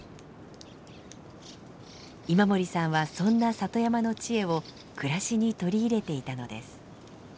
今森さんはそんな里山の知恵を暮らしに取り入れていたのです。